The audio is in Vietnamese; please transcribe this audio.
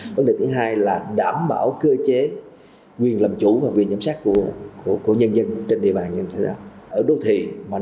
vấn đề thứ hai là đảm bảo cơ chế nguyên làm chủ và nguyên giám sát của nhân dân trên địa bàn như thế nào